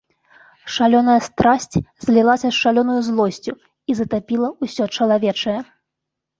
Шалёная страсць злілася з шалёнаю злосцю і затапіла ўсё чалавечае.